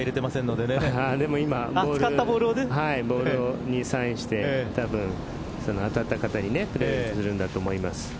でも今ボールにサインして当たった方にプレゼントするんだと思います。